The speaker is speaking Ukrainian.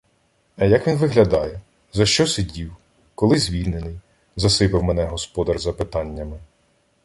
— А як він виглядає? За що сидів? Коли звільнений? — засипав мене господар запитаннями.